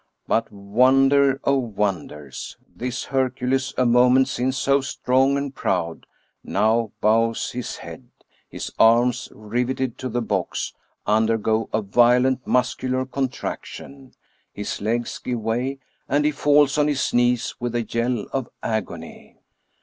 But, wonder of wonders ! this Hercules, a moment since so strong and proud, now bows his head ; his arms, riveted to the box, undergo a violent muscular contraction; his legs give way, and he falls on his knees with a yell of agony